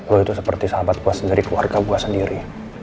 lo itu seperti sahabat gue sendiri keluarga gue sendiri